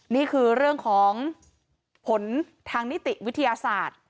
นี่คือเรื่องของผลทางนิติวิทยาศาสตร์